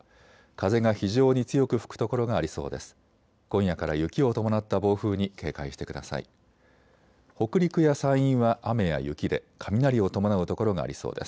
風が非常に強く吹く所がありそうです。